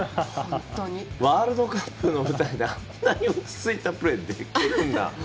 ワールドカップの舞台であんなに落ち着いたプレーができるんだ。